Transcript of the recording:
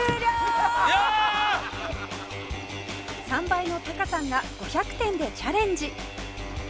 ３倍のタカさんが５００点でチャレンジ